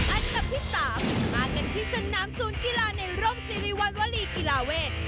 อันดับที่๓มากันที่สนามศูนย์กีฬาในร่มสิริวัณวลีกีฬาเวท